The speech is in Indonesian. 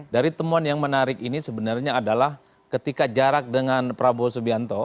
dari temuan yang menarik ini sebenarnya adalah ketika jarak dengan prabowo subianto